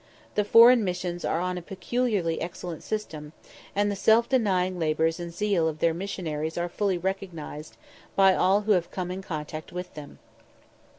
The foreign missions are on a peculiarly excellent system, and the self denying labours and zeal of their missionaries are fully recognised by all who have come in contact with them.